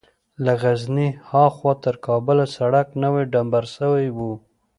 له غزني ها خوا تر کابله سړک نوى ډمبر سوى و.